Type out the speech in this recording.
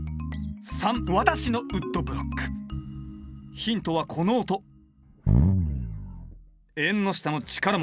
ヒントはこの音縁の下の力持ち。